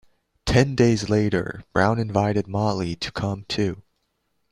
Ten days later, Brown invited Motley to come, too.